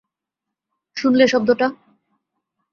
শুনলে শব্দ টা?